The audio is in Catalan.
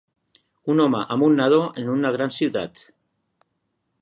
Un home amb un nadó en una gran ciutat.